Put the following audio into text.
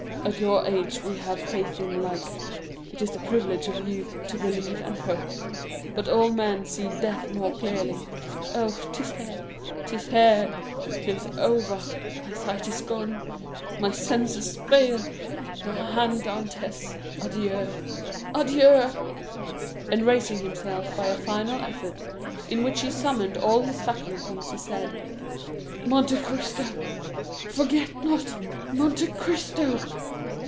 At your age we have faith in life; it is the privilege of youth to believe and hope, but old men see death more clearly. Oh, 'tis here—'tis here—'tis over—my sight is gone—my senses fail! Your hand, Dantès! Adieu! adieu!" And raising himself by a final effort, in which he summoned all his faculties, he said,—"Monte Cristo, forget not Monte Cristo!"